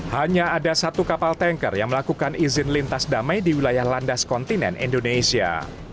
hanya ada satu kapal tanker yang melakukan izin lintas damai di wilayah landas kontinen indonesia